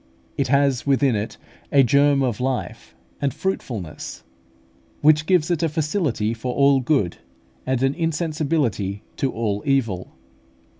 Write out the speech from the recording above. It has within it a germ of life and fruitfulness, which gives it a facility for all good, and an insensibility to all evil.